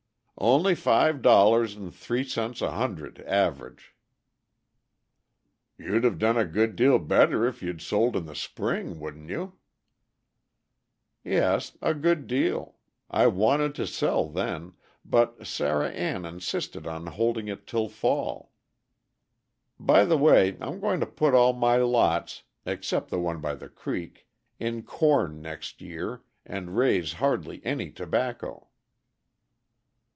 "Only five dollars and three cents a hundred, average." "You'd have done a good deal better if you'd sold in the spring, wouldn't you?" "Yes, a good deal. I wanted to sell then, but Sarah Ann insisted on holding it till fall. By the way, I'm going to put all my lots, except the one by the creek, in corn next year, and raise hardly any tobacco."